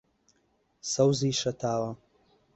سەوزی شەتاوە